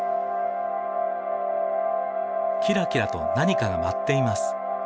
キラキラと何かが舞っています。